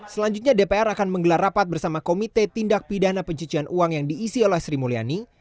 selanjutnya dpr akan menggelar rapat bersama komite tindak pidana pencucian uang yang diisi oleh sri mulyani